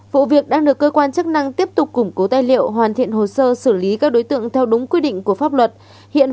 vụ việc đang được cơ quan chức năng tiếp tục củng cố tài liệu hoàn thiện hồ sơ xử lý các đối tượng theo đúng quy định